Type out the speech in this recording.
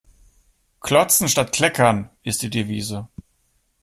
Klotzen statt Kleckern ist die Devise.